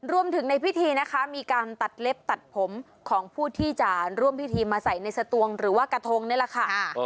รวมถึงในพิธีนะคะมีการตัดเล็บตัดผมของผู้ที่จะร่วมพิธีมาใส่ในสตวงหรือว่ากระทงนี่แหละค่ะ